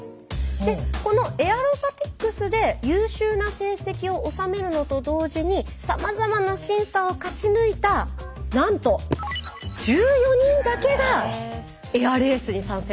でこのエアロバティックスで優秀な成績を収めるのと同時にさまざまな審査を勝ち抜いたなんと１４人だけがエアレースに参戦できるんですよ。